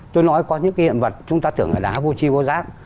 tôi nói có những cái hiện vật chúng ta tưởng là đá vô chi vô giác